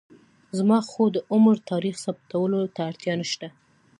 زما خو د عمر تاریخ ثابتولو ته اړتیا نشته.